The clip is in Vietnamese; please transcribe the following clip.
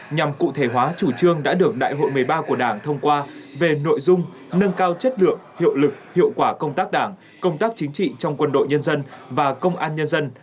nhằm cụ thể hóa chủ trương đã được đại hội một mươi ba của đảng thông qua về nội dung nâng cao chất lượng hiệu lực hiệu quả công tác đảng công tác chính trị trong quân đội nhân dân và công an nhân dân